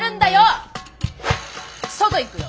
外行くよ。